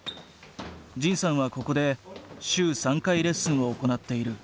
仁さんはここで週３回レッスンを行っている。